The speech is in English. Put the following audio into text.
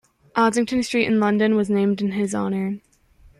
Ossington Street in London was named in his honour.